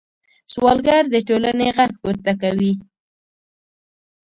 سوالګر د ټولنې غږ پورته کوي